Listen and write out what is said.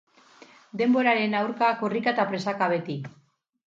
Denboraren aurka korrika eta presaka beti.